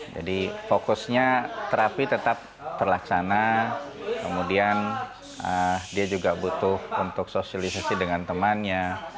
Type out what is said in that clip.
jadi fokusnya terapi tetap terlaksana kemudian dia juga butuh untuk sosialisasi dengan temannya